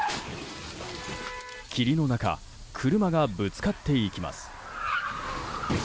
霧の中、車がぶつかっていきます。